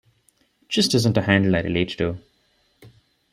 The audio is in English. Just isn't a handle I relate to.